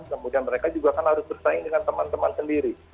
kemudian mereka juga kan harus bersaing dengan teman teman sendiri